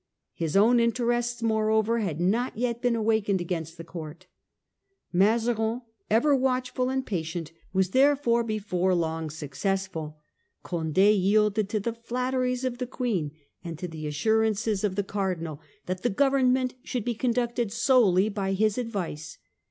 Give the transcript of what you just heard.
His own interests moreover had not yet been awakened against the court. Mazarin, ever watchful and patient, was therefore before long successful. Cond6 yielded to the flatteries of the Queen and to the assurances of the Cardinal that the government should be conducted solely bv his advice.